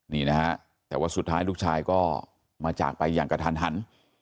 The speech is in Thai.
นี่นะฮะแต่ว่าสุดท้ายลูกชายก็มาจากไปอย่างกระทันหัน